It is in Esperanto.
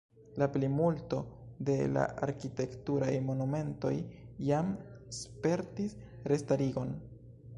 La plimulto de la arkitekturaj monumentoj jam spertis restarigon.